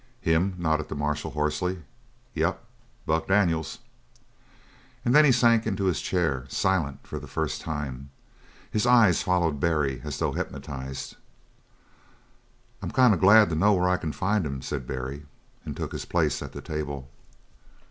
"Him," nodded the marshal, hoarsely. "Yep, Buck Daniels." And then he sank into his chair, silent for the first time. His eyes followed Barry as though hypnotized. "I'm kind of glad to know where I can find him," said Barry, and took his place at the table.